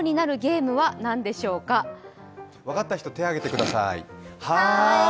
分かった人、手挙げてください。